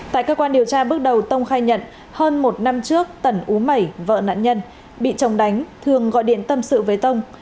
tại cơ quan điều tra bước đầu tông khai nhận hơn một năm trước tẩn ú mẩy vợ nạn nhân bị chồng đánh thường gọi điện tâm sự với tông